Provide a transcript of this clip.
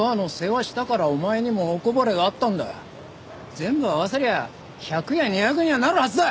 全部合わせりゃ１００や２００にはなるはずだ！